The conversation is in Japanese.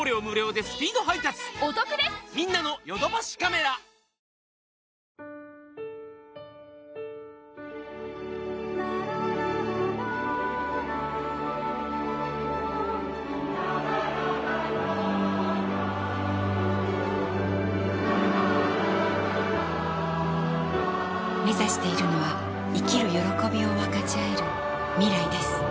ラララめざしているのは生きる歓びを分かちあえる未来です